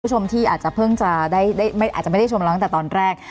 คุณผู้ชมที่อาจจะเพิ่งจะได้อาจจะไม่ได้ชมเราตั้งแต่ตอนแรก